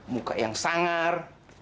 muka yang sangar